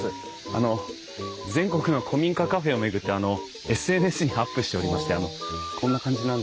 あの全国の古民家カフェを巡ってＳＮＳにアップしておりましてあのこんな感じなんですけど。